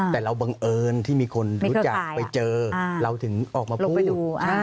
แต่เราบังเอิญที่มีคนรู้จักไปเจอเราถึงออกมาพูด